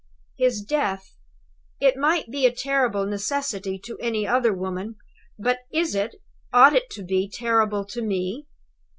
"His death! It might be a terrible necessity to any other woman; but is it, ought it to be terrible to Me?